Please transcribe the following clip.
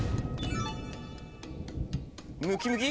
ムキムキ。